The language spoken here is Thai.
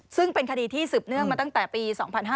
ซึ่งเป็นคดีที่สืบเนื่องมาตั้งแต่ปี๒๕๕๙